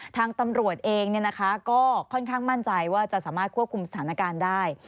ทางตำรวจเองก็ค่อนข้างมั่นใจว่าจะสามารถควบคุมสถานการณ์ได้